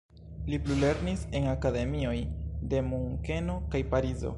Li plulernis en akademioj de Munkeno kaj Parizo.